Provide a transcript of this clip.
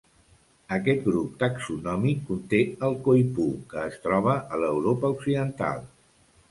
Aquest grup taxonòmic conté el coipú, que es troba a l'Europa Occidental.